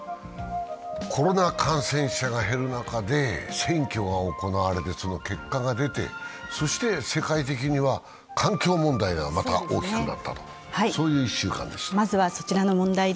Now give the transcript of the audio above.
コロナ感染者が減る中で選挙が行われてその結果が出て、そして世界的には環境問題がまた大きくなったとそういう１週間でした。